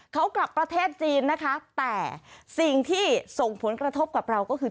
เขากลับประเทศจีนนะคะแต่สิ่งที่ส่งผลกระทบกับเราก็คือ